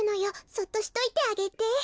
そっとしといてあげて。